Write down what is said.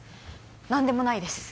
何でもないです